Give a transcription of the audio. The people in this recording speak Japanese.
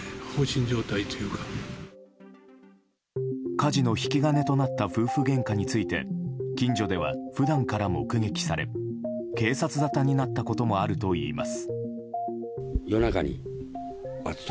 火事の引き金となった夫婦げんかについて近所では普段から目撃され警察沙汰になったこともあるといいます。